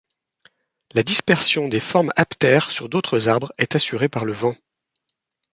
La dispersion des formes aptères sur d'autres arbres est assurée par le vent.